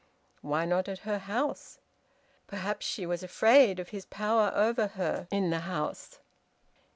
Why not at her house? Perhaps she was afraid of his power over her in the house.